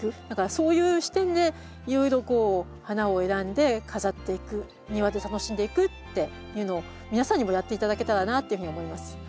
だからそういう視点でいろいろこう花を選んで飾っていく庭で楽しんでいくっていうのを皆さんにもやって頂けたらなっていうふうに思います。